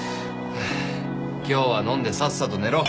今日は飲んでさっさと寝ろ。